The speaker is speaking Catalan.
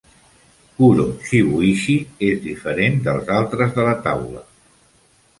Kuro-Shibuichi es diferent del altres de la taula.